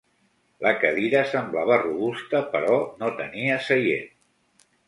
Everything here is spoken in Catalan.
La cadira semblava robusta però no tenia seient.